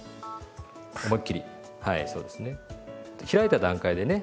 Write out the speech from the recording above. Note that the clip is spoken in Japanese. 開いた段階でね